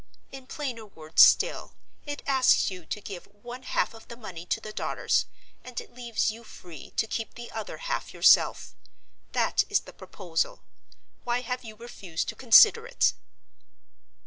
In plainer words still, it asks you to give one half of the money to the daughters, and it leaves you free to keep the other half yourself. That is the proposal. Why have you refused to consider it?"